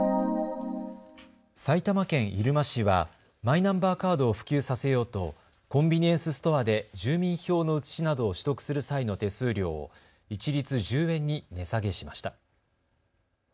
埼玉県入間市はマイナンバーカードを普及させようとコンビニエンスストアで住民票の写しなどを取得する際の手数料を一律１０円に値下げしました。